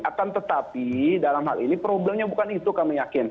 akan tetapi dalam hal ini problemnya bukan itu kami yakin